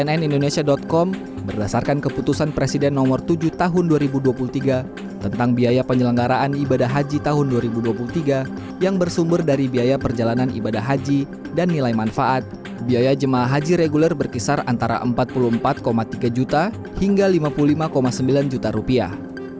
cnn indonesia com berdasarkan keputusan presiden nomor tujuh tahun dua ribu dua puluh tiga tentang biaya penyelenggaraan ibadah haji tahun dua ribu dua puluh tiga yang bersumber dari biaya perjalanan ibadah haji dan nilai manfaat biaya jemaah haji reguler berkisar antara empat puluh empat tiga juta hingga lima puluh lima sembilan juta rupiah